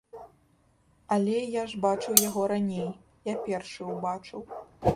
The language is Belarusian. Але я ж бачыў яго раней, я першы ўбачыў.